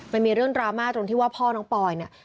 มันมีเรื่องดราม่าตรงที่ว่าพ่อน้องปอยเนี่ย